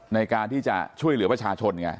ในการที่จะช่วยเหลือประชาชนไง